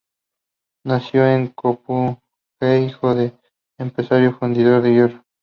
Nació en Copenhague, hijo de un empresario fundidor de hierro.